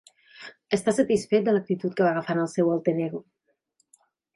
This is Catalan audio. Està satisfet de l'actitud que va agafant el seu alter ego.